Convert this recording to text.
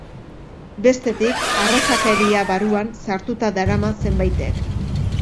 Bestetik, arrazakeria barruan sartuta darama zenbaitek.